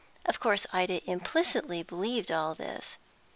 Of course Ida implicitly believed all this.